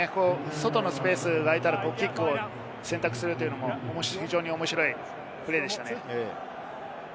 外のスペースが空いたらキックを選択するというのも非常に面白いプレーでしたね。